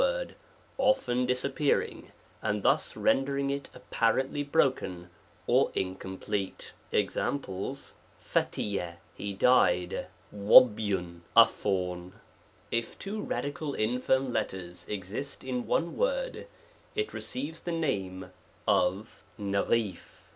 word often disappearing and thus rendering it apparently broken or incomplete :fy * examples ^;? he died, r ^.*& a fawn, T*&*A ^^* IP two radical infirm letters exist in one word, it receives the name of uiJL!